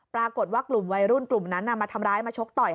ปรากฏว่ากลุ่มวัยรุ่นกลุ่มนั้นมาทำร้ายมาชกต่อย